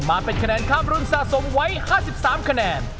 มาเป็นคะแนนข้ามรุ่นสะสมไว้๕๓คะแนน